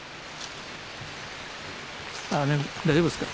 雨大丈夫ですか？